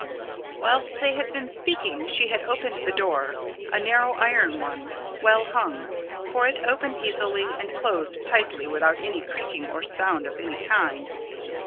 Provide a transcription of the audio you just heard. Whilst they had been speaking, she had opened the door, a narrow iron one, well hung, for it opened easily and closed tightly without any creaking or sound of any kind.